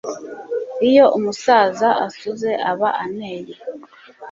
iyo umusaza asuze aba aneye